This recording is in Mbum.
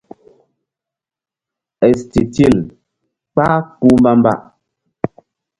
Éstitil kpah kpuh mbamba.